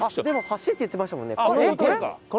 でも橋って言ってましたもんね。